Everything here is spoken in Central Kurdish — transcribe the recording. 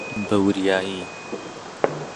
بەوریایی!